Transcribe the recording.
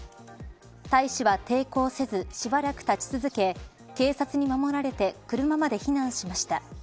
大使は抵抗せずしばらく立ち続け警察に守られて車まで避難しました。